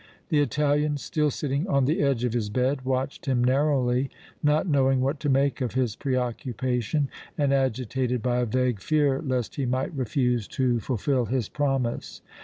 The Italian still sitting on the edge of his bed watched him narrowly, not knowing what to make of his preoccupation and agitated by a vague fear lest he might refuse to fulfil his promise.